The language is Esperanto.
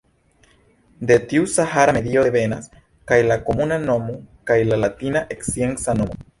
De tiu sahara medio devenas kaj la komuna nomo kaj la latina scienca nomo.